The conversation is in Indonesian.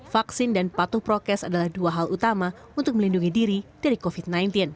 vaksin dan patuh prokes adalah dua hal utama untuk melindungi diri dari covid sembilan belas